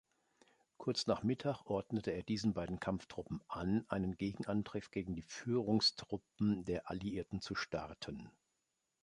Kurz nach Mittag ordnete er diesen beiden Kampftruppen an, einen Gegenangriff gegen die Führungstruppen der Alliierten zu starten.